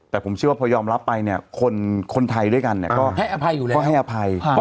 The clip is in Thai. แต่ผมเชื่อว่าพอยอมรับไปเนี่ยคนไทยด้วยกันเนี่ยก็ให้อภัย